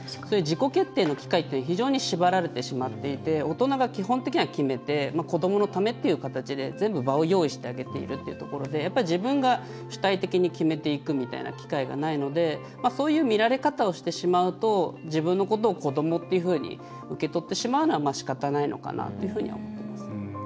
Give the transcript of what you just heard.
そういう自己決定の機会って非常に縛られてしまっていて大人が基本的には決めて子どものためっていう形で全部、場を用意してあげているっていうところでやっぱり自分が主体的に決めていくみたいな機会がないのでそういう見られ方をしてしまうと自分のことを子どもっていうふうに受け取ってしまうのはしかたないかなというふうには思っています。